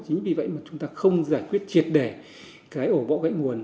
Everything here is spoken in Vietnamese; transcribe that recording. chính vì vậy mà chúng ta không giải quyết triệt đẻ cái ổ bỏ gãy nguồn